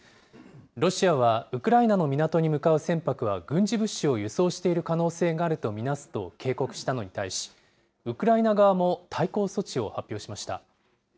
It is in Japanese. ロシアはウクライナの港に向かう船舶は軍事物資を輸送している可能性があると見なすと警告したのに対し、ウクライナ側も対抗措置